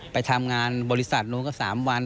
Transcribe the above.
ไปทำงานบริษัทนู้นก็๓วัน